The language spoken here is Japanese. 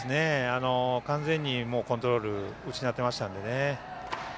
完全にコントロールを失ってましたんでね。